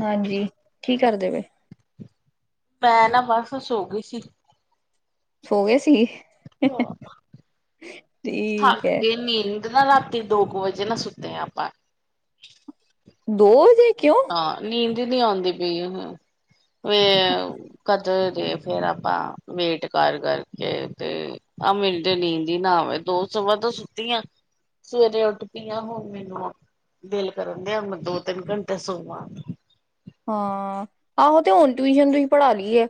ਹਾਂਜੀ ਕੀ ਕਰਦੇ ਪਏ? ਮੈਂ ਨਾ ਬਸ ਸੋ ਗਈ ਸੀ। ਸੋ ਗਏ ਸੀ। ਠੀਕ ਹੈ ਥੱਕਦੇ ਨੀ ਦ ਨਾ ਰਾਤੀ ਦੋ ਕ ਵਜੇ ਨਾ, ਸੁੱਤੇ ਆ ਆਪਾਂ। ਦੋ ਵਜੇ ਕਿਉਂ? ਆ, ਨੀਂਦ ਨੀ ਆਂਦੀ ਪਈ ਹ ਕਰਦੇ ਜੇ ਫੇਰ ਆਪਾਂ ਵੇਟ ਕਰ-ਕਰ ਕੇ 'ਤੇ ਆਹ ਮੈਂਨੂੰ ਤੇ ਨੀਂਦ ਈ ਨਾ ਆਵੇ। ਦੋ- ਸਵਾਂ ਦੋ ਸੁੱਤੀ ਆਂ। ਸਵੇਰੇ ਉੱਠ ਪੀ ਆ ਹੁਣ ਮੈਨੂੰ, ਦਿਲ ਕਰਨ ਦਿਆਂ ਮੈਂ ਦੋ-ਤਿੰਨ ਘੰਟੇ ਸੋਵਾਂ। ਹਾਂ ਆਹੋ 'ਤੇ ਹੁਣ ਟਿਊਸ਼ਨ ਤੁਸੀਂ ਪੜ੍ਹਾ ਲੀ ਐ।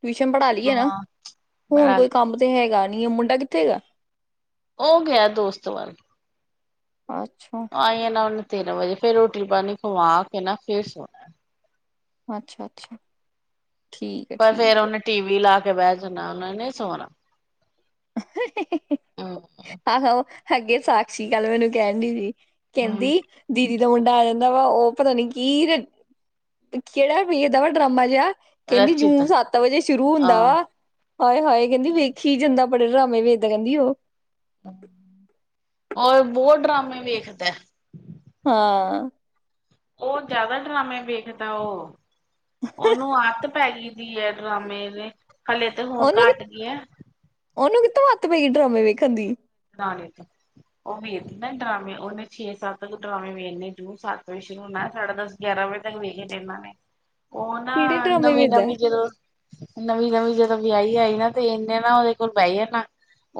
ਟਿਊਸ਼ਨ ਪੜ੍ਹਾ ਲੀ ਐ ਨਾ, ਹਾਂ ਹੁਣ ਬਣਾ ਲ ਕੋਈ ਕੰਮ 'ਤੇ ਹੈਗਾ ਨੀ ਮੁੰਡਾ ਕਿੱਥੇ ਹੈਗਾ? ਉਹ ਗਿਆ ਦੋਸਤ ਵਲ਼। ਅੱਛਾ! ਆ ਜਾਣਾ ਉਹਨੇ ਤਿੰਨ ਵਜੇ, ਫਿਰ ਰੋਟੀ ਪਾਣੀ ਖਵਾ ਕੇ ਨਾ, ਫੇਰ ਸੋਣਾ। ਅੱਛਾ-ਅੱਛਾ। ਪਰ ਫੇਰ ਉਹਨੇ ਟੀ ਵੀ ਲਾ ਕੇ ਬਹਿ ਜਾਂਣਾ, ਓਨੇ ਨੀ ਸੋਣਾ। ਹਾ ਹਾ ਹਾ ਹਾ ਹੂੰ ਆਹੋ ਅਗੇ ਸਾਕਸ਼ੀ ਕੱਲ ਮੈਨੂੰ ਕਹਿਣ ਡੀ ਸੀ, ਕਹਿੰਦੀ ਦੀ ਦੀ ਦਾ ਮੁੰਡਾ ਆ ਜਾਂਦਾ ਵਾ, ਉਹ ਪਤਾ ਨੀ ਕੀਰ, ਕਿਹੜਾ ਵੇਖਦਾ ਵਾ ਡਰਾਮਾ ਜਿਹਾ? ਕਹਿੰਦੀ ਰਚਿਤ ਜੂ ਸੱਤ ਵਜੇ ਸ਼ੁਰੂ ਹੁੰਦਾ ਹਾਂ ਵਾ ਹਾਏ-ਹਾਏ ਕਹਿੰਦੀ ਵੇਖੀ ਜਾਂਦਾ, ਬੜੇ ਡਰਾਮੇ ਵੇਖਦਾ ਕਹਿੰਦੀ ਓ। ਹੂੰ, ਔ ਬਹੁਤ ਡਰਾਮੇ ਵੇਖਦਾ। ਹਾਂ। ਓ ਜਿਆਦਾ ਡਰਾਮੇ ਵੇਖਦਾ ਓ। ਉਹਨੂੰ ਆਦਤ ਪੈ ਗਈ ਦੀ ਐ ਡਰਾਮੇ ਦੇ, ਹਲੇ 'ਤੇ ਹੁਣ ਘੱਟ ਗਿਆ। ਓਨੂੰ ਕਿੱਥੋਂ ਆਦਤ ਪਈ ਏ ਡਰਾਮੇ ਵੇਖਣ ਦੀ? ਡਾਲੈਕੇ। ਓ ਵੇਖਦਾ ਡਰਾਮੇ, ਓਨੇ ਛੇ-ਸਤ ਕੁ ਡਰਾਮੇ ਵੇਨੇ ਜੂ ਸੱਤ ਵਜੇ ਸ਼ੁਰੂ ਹੋਣਾ ਸਾਢੇ ਦਸ ਗਿਆਰਾਂ ਵਜੇ ਤੱਕ ਵੇਖੇ ਦੇ ਉਨਾਂ ਨੇ। [unintelligible] ਉਹ ਨਾ ਕਿਹੜੇ ਡਰਾਮੇ ਵੇਖਦਾ ਨਵੀਂ-ਨਵੀਂ ਜਦੋਂ ਨਵੀਂ-ਨਵੀਂ ਜਦੋਂ ਵਿਆਹੀ ਆਈ ਨਾ 'ਤੇ ਏਨੇ ਨਾ ਓਦੇ ਕੋਲ ਬਹਿ ਜਾਣਾ,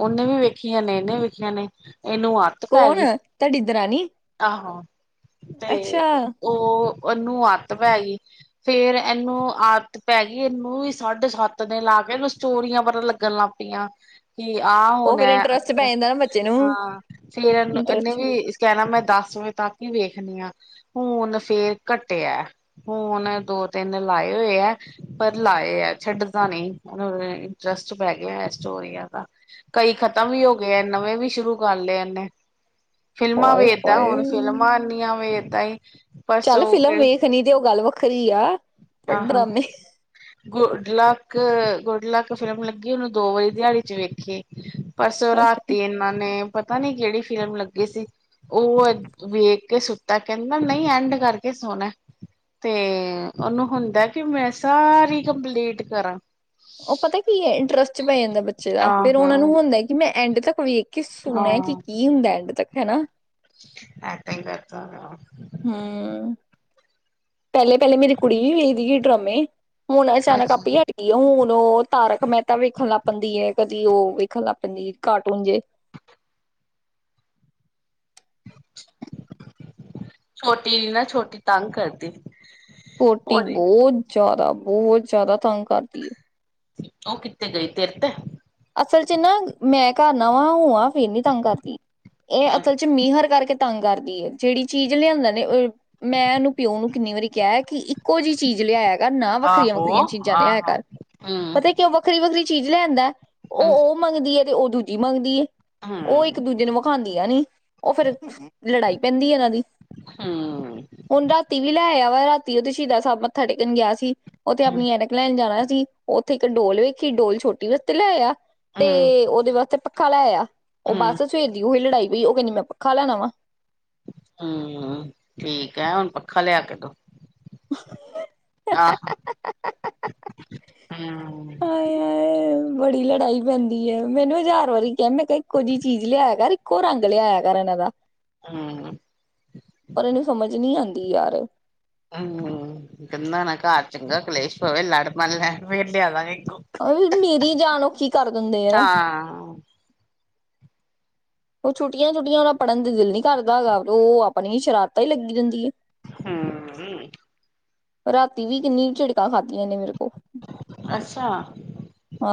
ਓਨੇ ਵੀ ਵੇਖੀ ਜਾਣੇ ਨੇ, ਵੇਖੀ ਜਾਣੇ ਇਹਨੂੰ ਆ ਕੌਣ, ਤਾਡੀ ਦਰਾਣੀ? ਆਹੋ ਅੱਛਾ 'ਤੇ ਉਹ ਉਹਨੂੰ ਆਦਤ ਪੈ ਗੀ। ਫੇਰ ਏਨੂੰ ਆ ਤ ਪੈ ਗੀ ਇਹਨੂੰ ਵੀ ਸਾਢੇ ਸੱਤ ਦਿਨ ਲਾ ਕੇ ਇਹਨੂੰ ਸਟੋਰੀਆਂ ਪਤਾ ਲੱਗਣ ਲੱਗ ਪੀ ਆ। ਕਿ ਆਹ ਉਹ ਫਿਰ ਹੋਣਾ ਇੰਟਰਸਟ ਅੱਕ, ਪੈ ਜਾਂਦਾ ਨਾ ਬੱਚੇ ਨੂੰ ਹਾਂ ਫੇਰ ਏਨੇ ਇੰਟਰਸਟ ਵੀ ਕਹਿਣਾ ਮੈਂ ਦਸ ਵਜੇ ਤੱਕ ਵੀ ਵੇਖਣੀਆਂ, ਹੁਣ ਫੇਰ ਘਟਿਆ। ਫੂਨ ਦੋ-ਤਿੰਨ ਲਾਏ ਹੋਏ ਐ। ਪਰ ਲਾਏ ਐ ਛੱਡਦਾ ਨਈ, ਹੁਣ ਇੰਟਰਸਟ ਪੈ ਗਿਆ ਸਟੋਰੀਆਂ ਦਾ। ਕਈ ਖ਼ਤਮ ਵੀ ਹੋਗੇ ਐ, ਨਵੇਂ ਵੀ ਸ਼ੁਰੂ ਕਰ ਲੇ ਇਹਨੇ। ਫ਼ਿਲਮਾਂ ਹਾਏ ਵੇਖਦਾ ਹਾਏ ਹੁਣ, ਫਿਲਮਾਂ ਐਨੀਆਂ ਵੇਖਦਾ ਈ ਚੱਲ ਫਿਲਮ ਵੇਖਣੀ ਤੇ ਉਹ ਗੱਲ ਵੱਖਰੀ ਆ, ਪਰ ਡਰਾਮੇ good luck, good luck film ਲੱਗੀ ਉਹਨੂੰ ਦੋ ਵਾਰੀ ਦਿਹਾੜੀ 'ਚ ਵੇਖੀ। ਪਰਸੋਂ ਅੱਛਾ ਰਾਤੀ ਇਹਨਾਂ ਨੇ, ਪਤਾ ਨੀ ਕਿਹੜੀ ਫਿਲਮ ਲੱਗੀ ਸੀ। ਉਹ ਵੇਖ ਕੇ ਸੁੱਤਾ, ਕਹਿੰਦਾ ਨਹੀਂ ਐਂਡ ਕਰਕੇ ਸੋਣਾ। ਤੇ ਓਨੂੰ ਹੁੰਦਾ ਕਿ ਮੈਂ ਸਾਰੀ ਕੰਪਲੀਟ ਕਰਾਂ। ਉਹ ਪਤਾ ਕੀ ਹੈ ਇੰਟਰਸਟ ਚ ਪੈ ਜਾਂਦਾ ਬੱਚੇ ਦਾ, ਫੇਰ ਉਹਨਾਂ ਨੂੰ ਆਹੋ ਹੁੰਦਾ ਕਿ ਮੈਂ ਐਂਡ ਤੱਕ ਵੇ ਖ ਕਿ ਸੋਣਾ ਕਿ ਕੀ ਹੁੰਦਾ ਐਡ ਤੱਕ ਹੈਨਾ। ਐ ਤਾਂ ਈ ਕਰਦਾ ਵਾ। ਹੂੰ। ਪੈਲੇ-ਪੈਲੇ ਮੇਰੀ ਕੁੜੀ ਵੀ ਵੇਖਦੀ ਸੀ ਡਰਮੇ ਹੁਣ ਅਚਾਨਕ ਆਪੀ ਅੱਛਾ ਹਟ ਹੁਣ ਓ ਤਾਰਕ ਮਹਿਤਾ ਵੇਖਣ ਲੱਗ ਪੈਂਦੀ ਏ, ਕਦੀ ਓ ਵੇਖਣ ਲੱਗ ਪੈਂਦੀ ਕਾਰਟੂਨ ਜੇ। ਛੋਟੀ ਨਾ ਛੋਟੀ ਤੰਗ ਕਰਦੀ। ਪੋਟੀ ਹੋਰ ਬੋ ਜਾਦਾ ਬੋਹ ਜਾ ਦਾ ਤੰਗ ਕਰਦੀ ਏ। ਓ ਕਿੱਤੇ ਗਈ ਤੇਰ ਤੇ। ਅਸਲ ਚ ਨਾ ਮੈਂ ਘਰ ਨਾ ਵਾਂ ਹੋਵਾਂ ਫੇਰ ਨੀ ਤੰਗ ਕਰਦੀ ਏ ਅਸਲ ਚ ਮੀਂਹਰ ਕਰਕੇ ਤੰਗ ਕਰਦੀ ਏ ਜੇਦੀਬਚੀਜ਼ ਲਿਆਂਦਾ ਨੇ ਮੈਂ ਓਨੂੰ ਪਿਓ ਨੂੰ ਕਿੰਨੀ ਵਾਰੀ ਕਿਐ ਕੀ ਇੱਕੋ ਜੀ ਚੀਜ਼ ਲਿਆਇਆ ਕਿਆ ਨਾ ਆਹੋ ਵੱਖਰੀਆਂ-ਵੱਖਰੀਆਂ ਚੀਜ਼ਾਂ ਲਿਆਇਆ ਆਹੋ ਕਰ ਹਮ ਪਤਾ ਕਿਉਂ ਵੱਖਰੀ-ਵੱਖਰੀ ਚੀਜ਼ ਲੈ ਆਂਦੈ। [unintelligible] ਮੰਗਦੀ ਐ ਤੇ ਓ ਦੂਜੀ ਮੰਗਦੀ ਏ, ਓ ਹਮ ਇੱਕ ਦੂਜੇ ਨੂੰ ਵਿਖਾਂ ਦੀਆ ਨੀ ਓ ਫੇਰ ਲੜਾਈ ਪੈਂਦੀ ਐ ਏਨਾਂ ਦੀ ਹੂੰ। ਹੁਣ ਰਾਤੀ ਵੀ ਲੈ ਆਇਆ ਵਾ, ਰਾਤੀ ਓ ਤੇ ਸ਼ਹੀਦਾ ਸਾਬ ਮੱਥਾ ਟੇਕਣ ਗਿਆ ਸੀ ਓਥੇ ਆਪਣੀ ਐਨ ਲੈਣ ਜਾਣਾ ਸੀ ਓਥੇ ਇੱਕ ਡੋਲ ਵੇਖੀ ਡੋਲ ਛੋਟੀ ਵਾਸਤੇ ਲੈ ਆਇਆ ਹਮ ਤੇ ਓਦੇ ਵਾਸਤੇ ਪੱਖਾ ਲੈ ਆਇਆ ਓ ਹੂੰ ਬਸ ਸਵੇਰ ਦੀ ਓਹੀ ਲੜਾਈ ਵੀ ਓ ਕੈਂਦੀ ਮੈਂ ਪੱਖਾ ਲੈਣਾ ਵਾ ਹੂੰ ਠੀਕ ਐ ਹੁਣ ਪੱਖਾ ਲਿਆ ਕੇ ਦੋ। ਆਹ ਹੂੰ। [unintelligible] ਬੜੀ ਲੜਾਈ ਪੈਂਦੀ ਐ, ਮੈਂ ਇੰਨੂੰ ਹਜ਼ਾਰ ਵਾਰੀ ਕਿਆ ਮੈਂ ਕਿਆ ਇੱਕੋ ਜੀ ਚੀਜ਼ ਲਿਆਇਆ ਕਰ, ਇੱਕੋ ਰੰਗ ਲਿਆਇਆ ਕਰ ਐਨਾਂ ਦਾ। ਹੂੰ। ਪਰ ਏਨੂੰ ਸਮਝ ਨੀ ਆਂਦੀ ਯਾਰ। ਹੂੰ [unintelligible] ਘਰ ਚ ਚੰਗਾ ਕਲੇਸ਼ ਪਵੇ, ਲੜ ਪੈਣ ਫੇਰ ਲਿਆ ਦਾ ਗੇ ਇਕੋ। ਔਈ ਮੇਰੀ ਜਾਨ ਔਖੀ ਕਰ ਦਿੰਦੇ ਆ ਨਾ। ਹਾਂ। ਓ ਛੁੱਟੀਆਂ-ਛੁੱਟੀਆਂ ਓਨਾਂ ਪੜ੍ਹਨ ਦੇ ਦਿਲ ਨੀ ਕਰਦਾ ਹੈਗਾ, ਓ ਆਪਣੀ ਸ਼ਰਾਰਤਾ ਈ ਲੱਗੀ ਰੈਂਦੀ ਐ। ਹੂੰ-ਹੂੰ ਰਾਤੀ ਵੀ ਕਿੰਨੀ ਝਿੜਕਾਂ ਖਾਧੀਆਂ ਏਨੇ ਮੇਰੇ ਕੋ। ਅੱਛਾ। ਆ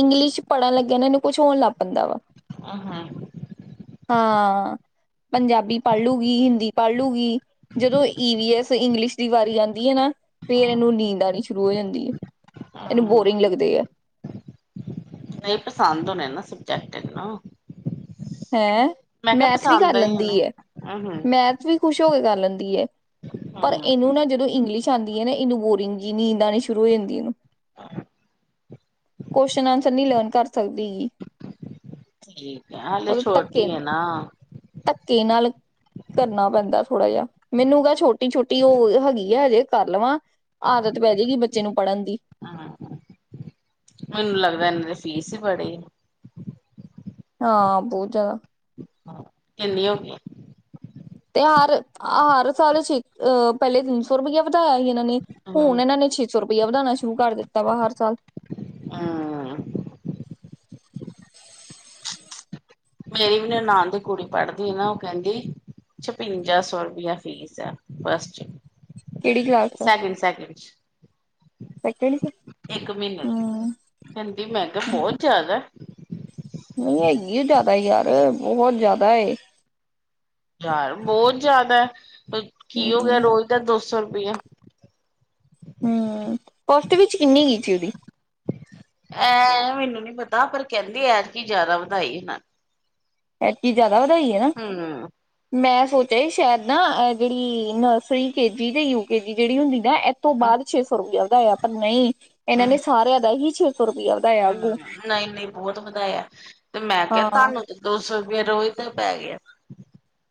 ਇੰਗਲਿਸ਼ ਪੜ੍ਹਨ ਲੱਗਿਆ ਨਾ ਏਨੂੰ ਕੁਛ ਹੋਣ ਲੱਗ ਪੈਂਦਾ ਵਾ। ਆਹ ਹਾਂ। ਹਾਂ ਪੰਜਾਬੀ ਪੜ੍ਹ ਲੂਗੀ ਹਿੰਦੀ, ਪੜ੍ਹ ਲੂਗੀ ਜਦੋਂ ਈਵ ਐਸ ਇੰਗਲਿਸ਼ ਦੀ ਵਾਰੀ ਆਂਦੀ ਐ ਨਾ ਫੇਰ ਹੂੰ ਏਨੂੰ ਨੀਂਦ ਆਣੀ ਸ਼ੁਰੂ ਹੋ ਜਾਂਦੀ ਐ ਏਨੂੰ ਬੋਰਿੰਗ ਲੱਗਦੇ ਐ। ਨਈ ਪਸੰਦ ਹੋਨੇ ਨਾ ਸਬਜੈਕਟ ਏਨੂੰ। ਹੈਂ ਮੈਥ ਵੀ ਕਰ ਪਸੰਦ ਆਏ ਲੈਂਦੀ ਹੋਣੇ ਐ ਹੂੰ ਮੈਥ ਥ ਵੀ ਖੁਸ਼ ਹੋ ਕੇ ਕਰ ਲੈਂਦੀ ਐ ਪਰ ਹੂੰ ਇਨੂੰ ਨਾ ਜਦੋਂ ਇੰਗਲਿਸ਼ ਚ ਆਂਦੀ ਐ ਨਾ ਇਨੂੰ ਬੋਰੀਗ ਜੀ ਨੀਂਦ ਆਣੀ ਸ਼ੁਰੂ ਹੋ ਜਾਂਦੀ ਇਨੂੰ। ਕੋਸ਼ਨ ਆਨਸਰ ਨੀ ਲਰਨ ਕਰ ਸਕਦੀ। ਠੀਕ ਐ ਹਾਲੇੇ ਉਹਦੇ ਧੱਕੇ ਛੋਟੀ ਐ ਨਾ। ਧੱਕੇ ਨਾਲ ਕਰਨਾ ਪੈਂਦਾ ਥੋੜ੍ਹਾ ਜਾ ਮੈਨੂੰ ਕ ਛੋਟੀ-ਛੋਟੀ ਓ ਹੈਗੀ ਆ ਹਜੇ ਕਰ ਲਵਾਂ ਆਦਤ ਪੈ ਹੂੰ ਜੇ ਗੀ ਬੱਚੇ ਨੂੰ ਪੜ੍ਹਨ ਦੀ। ਮੈਨੂੰ ਲੱਗਦਾ ਇਨਾਂ ਦੇ ਫੀਸ ਹੀ ਬੜੀ ਐ। ਆਹ ਬੋਤ ਜਾਦਾ। ਹੈ। ਕਿੰਨੀ ਹੋ ਗੀ। ਤੇ ਹਰ-ਹਰ ਸਾਲ ਛ ਅਹ ਪਹਿਲੇ ਤਿੰਨ ਸੌ ਰੁਪਇਆ ਵਧਾਇਆ ਸੀ ਏਨਾਂ ਨੇ ਹੂੰ ਹੁਣ ਏਨਾਂ ਨੇ ਛੇ ਸੌ ਰੁਪਇਆ ਵਧਾਣਾ ਸ਼ੁਰੂ ਕਰ ਦਿੱਤਾ ਵਾ ਹਰ ਸਾਲ। ਹਮ ਮੇਰੀ ਵੀ ਨਨਾਨ ਦੀ ਕੁੜੀ ਪੜ੍ਹਦੀ ਐ ਨਾ ਉਹ ਕੇਂਦੀ ਛਪਿੰਜਾ ਸੌ ਰੁਪਇਆ ਫੀਸ ਐ ਬਸ ਜੀ। ਕਿਹੜੀ ਕਲਾਸ ਚ ਸੈਕਿੰਡ-ਸੈਕਿੰਡ ਚ। ਸੈਕਿੰਡ ਚ ਇੱਕ ਮਹੀਨੇ ਦੀ ਹਮ ਕੇਂਦੀ ਮੈ ਕਿਹਾੳ ਬੋਤ ਜਾਦਾ। ਨੀ ਹੈਗੀ ਏ ਜਾਦਾ ਯਾਰ ਬੋਹਤ ਜਾਦਾ ਏ। ਯਾਰ ਬੋਤ ਜਾਦਾ ਕੀ ਹੋ ਗਿਆ ਹਮ ਰੋਜ਼ ਦਾ ਦੋ ਸੌ ਰੁਪਇਆ। ਹੂੰ [unintelligible] ਵਿੱਚ ਇੰਨੀ ਇਚ ਦੀ। ਐਂ ਮੈਨੂੰ ਨੀ ਪਤਾ ਪਰ ਕੇੰਦੇ ਐਤਕੀ ਜਾਦਾ ਵਧਾਈ ਇਨਾ ਐਕਤੀ ਜਾਦਾ ਵਧਾਈ ਏ? ਹੂੰ। ਮੈਂ ਸੋਚਿਆ ਸੀ ਸ਼ੇਦ ਨਾ ਐ ਜੇੜੀ ਨਰਸਰੀ, ਕੇਜੀ ਤੇ ਯੂ ਕੇਜੀ ਜੇੜੀ ਹੁੰਦੀ ਨਾ ਏਥੋ ਬਾਦ ਛੇ ਸੌ ਰੁਪਇਆ ਵਧਾਇਆ ਪਰ ਨਈ ਏਨਾਂ ਨੇ ਸਾਰਿਆਂ ਦਾ ਹੀ ਛੇ ਸੌ ਰੁਪਿਆ ਵਧਾਇਆ। ਅੱਗੋਂ ਹਾਂ ਨਈ ਨਈ ਬੋਤ ਵਧਾਇਆ ਤੇ ਮੈਂ ਕਿਆ ਹਾਂ ਤਾਨੂੰ ਦੋ ਸੌ ਰੁਪਈਆ ਰੋਜ ਦਾ ਪੈ ਗਿਆ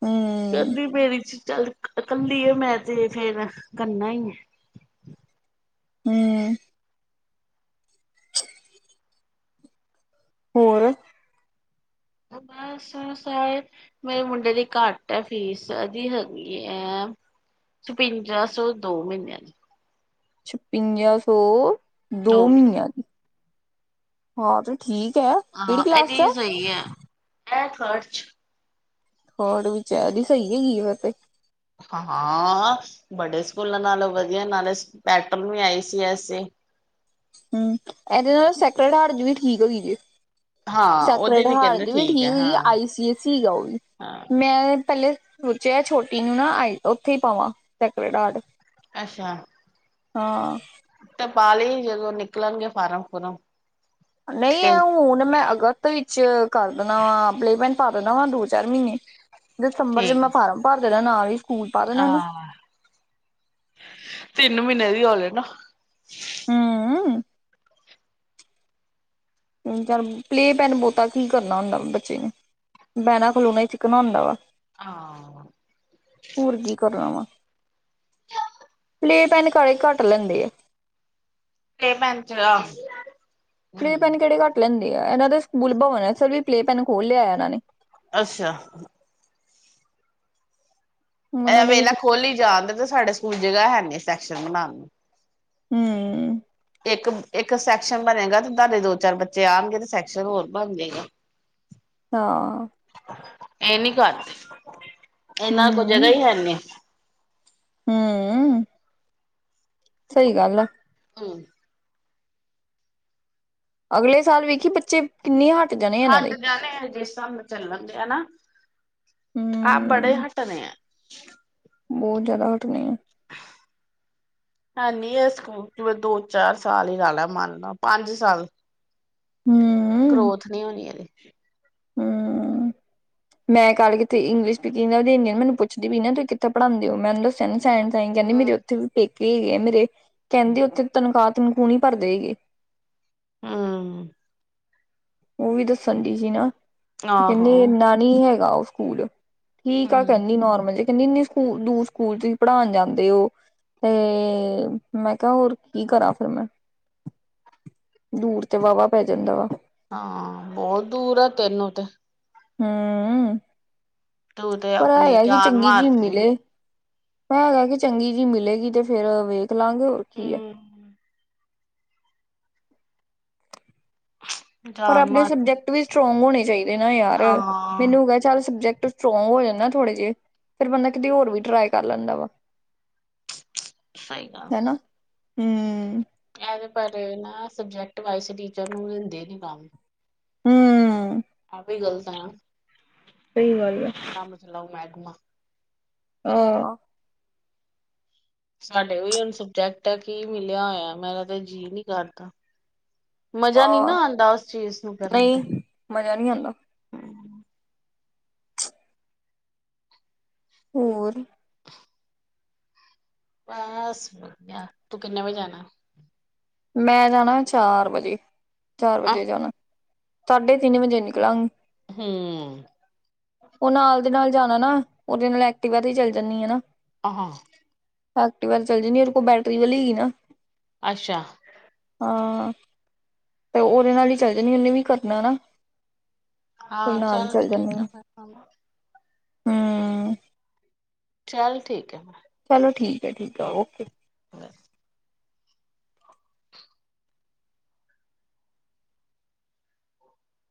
ਹਮ ਤਦੀ ਮੇਰੀ ਚ ਚਲ ਕੱਲੀ ਏ ਮੈਂ ਤੇ ਫੇਰ ਕਰਨਾ ਈ ਐ। ਹੂੰ। ਹੋਰ ਬਸ [unintelligible] ਮੇਰੇ ਮੁੰਡੇ ਦੀ ਘੱਟ ਆ ਫੀਸ ਐਦੀ ਹੈਗੀ ਐ ਛਪਿੰਜਾ ਸੌ, ਦੋ ਮੀਨਿਆ ਦੀ। ਛਪਿੰਜਾ ਸੌ ਦੋ ਮੀਨੀਆਂ ਦੀ। ਹਾਂ ਤੇ ਠੀਕ ਐ। ਹਾਂ ਏਦੀ ਸਈ ਐ ਖਰਚ ਹੋਰ ਵਿਚਾਰੀ ਸਈ ਹੈਗੀ ਏ ਫੇਰ ਤੇ। ਹਾਂ ਆ ਬੜੇ ਸਕੂਲਾਂ ਨਾਲੋਂ ਵਧੀਆ ਨਾਲੇ Patton we I C S A. ਹੂੰ ਐਦੇ ਨਾਲ ਸੈਕਰਡ ਹਾਰਡ ਵੀ ਠੀਕ ਹੇਗੀ ਜੇ। ਹਾਂ ਉਹਦੀ ਸੇਕਰੇਡ ਹਾਰਡ ਕਹਿੰਦੇ ਦੀ ਵੀ ਠੀਕ ਹੈ ਹੋਗੀ ਹਾਂ ਆਈ ਸੀ ਐ ਸੀ ਆ ਉ ਵੀ। ਹਾਂ ਮੈਂ ਪੈਲੇ ਸੋਚਿਆ ਛੋਟੀ ਨੂੰ ਨਾ ਆਈ ਉੱਥੇ ਪਾਵਾਂ ਸੈਕਰਡ ਹਾਰਡ। ਅੱਛਾ। ਹਾਂ। ਤਾ ਪਾ ਲਈ ਜਦੋਂ ਨਿਕਲਨਗੇ ਫਾਰਮ-ਫੁਰਮ। ਨਈ ਹੂਨ ਮੈਂ ਅਗਸਤ ਵਿੱਚ ਕਰ ਦੇਨਾ ਵਾ ਪੱਲੇਮੈਂਟ ਪਾ ਦੇਨਾ ਵਾਂ ਦੋ, ਚਾਰ ਮਈਨੇ ਦਸੰਬਰ ਚ ਠੀਕ ਮੈਂ ਫਾਰਮ ਭਰ ਦੇਣਾ ਨਾਲ ਈ। ਹਾਂ ਤਿੰਨ ਮੀਨੇ ਦੀ ਹੋ ਲੇ ਨਾ। ਹੂੰ। ਹੁਜ ਪਲੇ ਪੈਨ ਬੋਟਾਂ ਕੀ ਕਰਨਾ ਹੁੰਦਾ ਬੱਚੇ ਨੂੰ। ਬੇਨਾ ਖਲੋਨਾ ਹੀ ਚਿਕਨਾ ਹੁਦਾ ਵਾ। ਹਾਂ। ਹੋਰ ਕੀ ਕਰਨਾ ਵਾ ਪਲੇਅ ਪਹਿਲੇ [unintelligible] ਘੱਟ ਲੈਂਦੇ ਆ ਪਲੇ ਪੇਨ ਚ ਪਲੇ ਪੈਨ ਕਿਹੜੇ ਘਟ ਲੈੰਦੇ ਆ ਇਹਨਾਂ ਦੇ ਸਕੂਲ ਭਵਨ ਹੈ ਫਿਰ ਵੀ ਪਲੇ ਪੈਨ ਖੋਲ੍ਹਿਆ ਇਹਨਾਂ ਨੇ ਅੱਛਾ ਐ ਉਹਨਾਂ ਨੇ ਵੀ ਵੇਹਲਾ ਖੋਲ ਹੀ ਜਾਣ ਤੇ ਸਾਡੇ ਸਕੂਲ ਜਗ੍ਹਾ ਹੈ ਨੀ ਸੈਕਸ਼ਨ ਬਣਾਉਣ ਨੂੰ ਹਮ ਇੱਕ-ਇੱਕ ਸੈਕਸ਼ਨ ਬਨੇਗਾ ਤੇ ਤੁਹਾਡੇ ਦੋ ਚਾਰ ਬੱਚੇ ਆਣਗੇ ਤੇ ਸੈਕਸ਼ਨ ਹੋਰ ਬਣ ਜੇਏਗਾ ਹਾਂ ਇਹ ਨੀ ਕਰਦੇ ਇਹਨਾਂ ਕੋਲ ਜਗ੍ਹਾ ਈ ਹੈਨੀ ਹੰ ਸਹੀ ਗੱਲ ਆ ਠੀਕ ਅਗਲੇ ਸਾਲ ਵੇਖੀ ਬੱਚੇ ਕਿੰਨੇ ਹੱਟ ਜਾਣੇ ਇਹਨਾਂ ਦੇ ਹੱਟ ਜਾਣੇ ਜਿਸ ਹਿਸਾਬ ਨਾਲ ਚੱਲਣਗੇ ਹੈਨਾ ਆਪ ਬੜੇ ਹੂੰ, ਹਟਨੇ ਆ ਬਹੁਤ ਜ਼ਿਆਦਾ ਹਟਨੀ ਆ ਹੈਨੀ ਇਹ ਸਕੂਲ ਦੋ ਚਾਰ ਸਾਲ ਹੀ ਲਾ ਲੈ ਮੰਨ ਲੈ ਪੰਜ ਸਾਲ ਹੰ ਗਰੋਥ ਨੀ ਹੋਨੀ ਇਹਦੇ ਹਮ ਮੈਂ ਕੱਲ ਕਿੱਤੇ ਇੰਗਲਿਸ਼ ਸਪੀਕਿੰਗ ਹਿੰਦੀ ਮੈਨੂੰ ਪੁੱਛਦੀ ਵੀ ਨਾ ਤੁਸੀਂ ਕਿਥੇ ਪੜਾਦੇ ਹੋ ਮੈਨੂੰ ਦੱਸ [unintelligible] ਕਹਿੰਦੀ ਮੇਰੇ ਹਮ। ਉੱਥੇ ਵੀ ਪੇਕੇ ਹੈਗੇ ਆ ਮੇਰੇ ਕਹਿੰਦੇ ਉੱਥੇ ਤਨਖਾਹ ਤਨਖੂਹ ਨਹੀ ਭਰਦੇ ਹੈਗੇ ਹੰ ਉਹ ਵੀ ਦੱਸਣ ਡੀ ਸੀ ਨਾ ਤੇ ਕਹਿੰਦੇ ਆਹੋ ਇਨਾ ਨਹੀਂ ਹੈਗਾ ਉਹ ਸਕੂਲ ਠੀਕ ਆ ਕਹਿੰਦੀ ਨੋਰਮਲ ਜੇ ਕਹਿੰਦੀ ਇੰਨੀ ਦੂਰ ਸਕੂਲ ਤੁਸੀਂ ਪੜ੍ਹਾਣ ਜਾਂਦੇ ਔ ਤੇ ਮੈਂ ਕਿਹਾ ਹੋਰ ਕੀ ਕਰਾਂ ਫਿਰ ਮੈਂ ਦੂਰ ਤੇ ਵਾਹਵਾ ਪੈ ਜਾਂਦਾ ਵਾ ਹਾਂ, ਬਹੁਤ ਦੂਰ ਆ ਤੈਨੂੰ ਤੇ ਹਮ ਤੂੰ ਤੇ ਪਰ ਆਪਣੀ ਹੈਗਾ ਕਿ ਜਾਨ ਚੰਗੀ ਜੀ ਮਾਰਦੀ ਮਿਲੇ ਹੈਗਾ ਏ ਕਿ ਚੰਗੀ ਜਿਹੀ ਮਿਲੇਗੀ ਤੇ ਫੇਰ ਵੇਖ ਲਾਂਗੇ ਹੋਰ ਕੀ ਏ [unintelligible] ਪਰ ਜਾਨ ਆਪਣੇ ਮਾਰ ਸਬਜੈਕਟ ਵੀ ਸਟਰੋਂਗ ਹੋਣੇ ਚਾਹੀਦੇ ਨਾ ਯਾਰ, ਹਾਂ ਮੈਨੂੰ ਸਬਜੈਕਟ ਸਟਰੋਂਗ ਹੋ ਜਾਂਦਾ ਨਾ ਥੋੜੇ ਜਿਹੇ ਫੇਰ ਬੰਦਾ ਕਿਤੇ ਹੋਰ ਵੀ ਟਰਾਈ ਕਰ ਲੈਂਦਾ ਵਾ ਸਹੀ ਹੈਨਾ ਹੰ ਏਵੇ ਪਰ ਨਾ ਸਬਜੈਕਟ ਵਾਇਸ ਟੀਚਰ ਨੂੰ ਦਿੰਦੇ ਨੀ ਕੰਮ ਹਮ ਆਵੀ ਗੱਲਤਾ ਆ ਸਹੀ ਗੱਲ ਏ ਕੰਮ ਚਲਾਓ ਮਹਿਕਮਾ ਹਾਂ ਸਾਡੇ ਵੀ ਹੁਣ ਸਬਜੈਕਟ ਹੈ ਕੀ ਮਿਲਿਆ ਹੋਇਆ ਮੈਂਰਾ ਤੇ ਜੀਅ ਨੀ ਕਰਦਾ ਮਜ਼ਾ ਨੀ ਹਾਂ ਨਾ ਆੰਦਾ ਉਸ ਚੀਜ਼ ਨੂੰ ਕਰਨ ਤੇ ਮਜਾ ਨਹੀਂ ਆੰਦਾ ਹੋਰ ਬਸ ਵਧੀਆ ਤੂੰ ਕਿੰਨੇ ਵਜੇ ਜਾਣਾ ਮੈਂ ਜਾਣਾ ਚਾਰ ਵਜੇ, ਚਾਰ ਅ ਵਜੇ ਜਾਣਾ, ਸਾਢੇ ਤਿੰਨ ਵਜੇ ਨਿਕਲਾਂਗੀ। ਹੂੰ ਉ ਨਾਲ ਦੇ ਨਾਲ ਜਾਣਾ ਨਾ, ਉਦੇ ਨਾਲ ਐਕਟੀਵਾ ਤੇ ਚੱਲੀ ਜਾਂਦੀ ਹੈਨਾ। ਆਹਾਂ ਐਕਟਿਵਾ ਤੇ' ਚੱਲੀ ਜਾਂਨੀ ਆ, ਉਦੇ ਕੋਲ ਬੈਟਰੀ ਵਾਲੀ ਹੀ ਨਾ। ਅੱਛਾ। ਹਾਂ, ਤੇ ਉਦੇ ਨਾਲ ਹੀ ਚੱਲੀ ਜਾਨੀਆ, ਉਹਨੇ ਵੀ ਕਰਨਾ ਨਾ। ਹਾਂ, ਨਾਲ ਚਲ ਚੱਲ ਠੀਕ ਜਾਂਦੀ ਆ ਫਿਰ ਕੰਮ ਹੂੰ। ਚੱਲ ਠੀਕ ਹੈ ਫਿਰ ‌। ਚਲੋ ਠੀਕ ਹੈ-ਠੀਕ ਹੈ ਓਕੇ। ਬਸ।